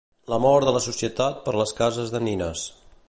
L'amor de la societat per les cases de nines